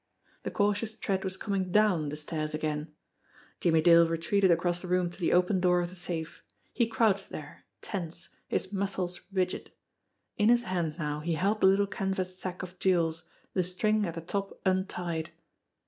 The cautious tread was coming down the stairs again. Jimmie Dale retreated across the room to the open door of the safe. He crouched there, tense, his muscles rigid. In his hand now he held the little canvas sack of jewels, the string at the top untied.